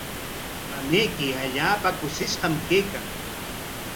Mamayki allaapa kushishqam kaykan.